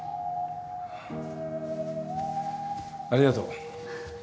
ありがとう。